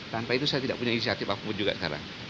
tanpa itu saya tidak punya inisiatif apapun juga sekarang